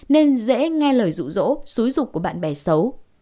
nên dễ nghe lời rụ rỗ xúi rục của bạn bè xấu